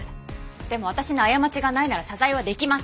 でも私に過ちがないなら謝罪はできません。